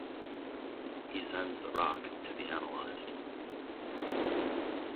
He sends the rock to be analyzed.